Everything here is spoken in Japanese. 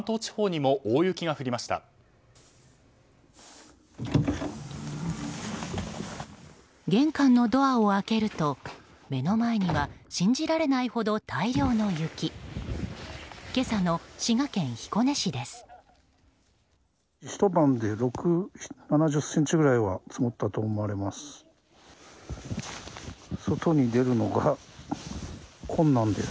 ひと晩で６０７０ｃｍくらいは積もったと思われます。